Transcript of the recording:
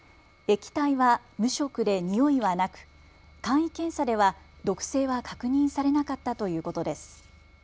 液体は無色でにおいはなく簡易検査では毒性は確認されなかったということです。